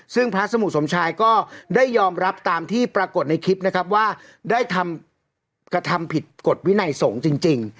ซึ่งพระสมุสมชายก็ได้ยอมรับตามที่ปรากฏในคลิปนะครับว่าได้ทำกระทำผิดกฎวินัยสงฆ์จริง